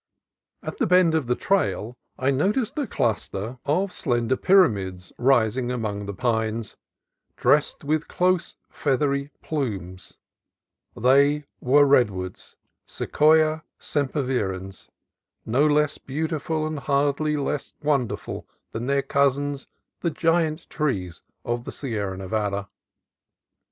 At a bend of the trail I noticed a cluster of slender 190 CALIFORNIA COAST TRAILS pyramids, rising among the pines, dressed with close, feathery plumes. They were redwoods (Se quoia sempervirens) , no less beautiful and hardly less wonderful than their cousins, the Giant Trees of the Sierra Nevada.